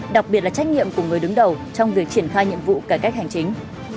đặc biệt là trách nhiệm của người đứng đầu trong việc triển khai nhiệm vụ cải cách hành chính